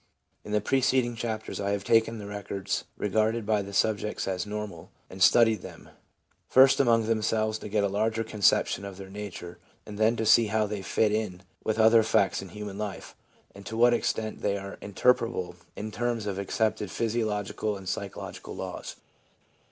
In the preceding chapters I have taken the records regarded by the subjects as normal, and studied them, first among themselves to get a larger conception of their nature, and then to see how they fit in with other facts in human life, and to what extent they are interpretable in terms of accepted physiological and psychological laws.